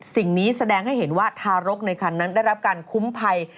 สิ่งนี้แสดงให้เห็นว่าทารกในคันนั้นได้รับการคุ้มภัย